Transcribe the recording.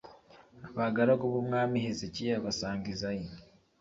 Abagaragu b’umwami Hezekiya basanga Izayi,